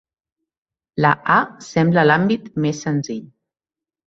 La a sembla l'àmbit més senzill.